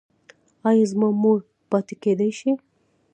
ایا زما مور پاتې کیدی شي؟